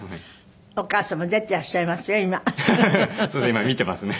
今見ていますね。